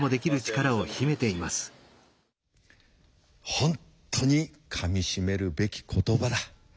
本当にかみしめるべき言葉だ。